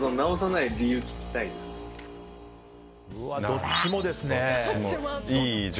どっちもですね。